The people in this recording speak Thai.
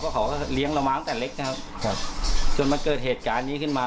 เขาก็เลี้ยงเรามาตั้งแต่เล็กนะครับครับจนมันเกิดเหตุการณ์นี้ขึ้นมา